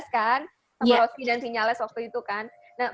sama rossi dan si nyales waktu itu kan